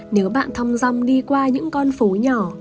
nếu bạn thong rong đi qua những con phố nhỏ